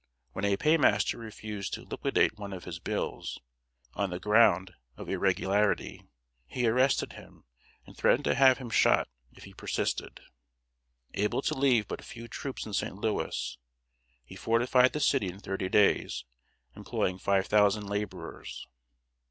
When a paymaster refused to liquidate one of his bills, on the ground of irregularity, he arrested him, and threatened to have him shot if he persisted. Able to leave but few troops in St. Louis, he fortified the city in thirty days, employing five thousand laborers.